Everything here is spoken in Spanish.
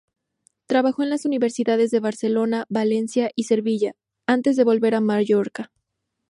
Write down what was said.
Trabajó en las universidades de Barcelona, Valencia y Sevilla, antes de volver a Mallorca.